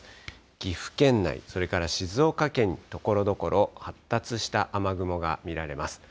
岐阜県内、それから静岡県、ところどころ発達した雨雲が見られます。